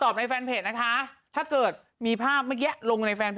บุตรคนขโมยไปแค่